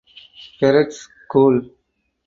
Peretz School.